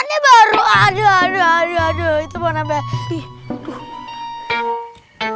ustadz iya iya aduh aduh aduh aduh tuh kan saja baru baru baru baru baru baru